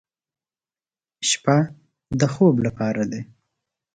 شپه د خوب لپاره ده.